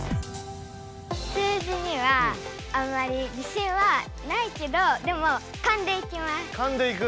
数字にはあんまり自しんはないけどでもカンでいく？